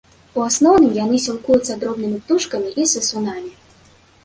У асноўным яны сілкуюцца дробнымі птушкамі і сысунамі.